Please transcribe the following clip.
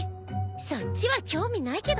そっちは興味ないけどね。